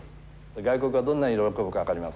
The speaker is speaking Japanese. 外国がどんなに喜ぶか分かりません。